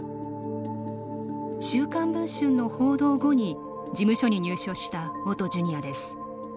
週刊文春の報道後に事務所に入所した元ジュニアです。